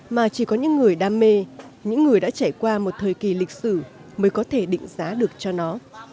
mà chỉ có những người đam mê những người đã trải qua một thời kỳ lịch sử mới có thể định giá được cho nó